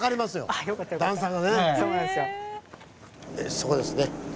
そこですね。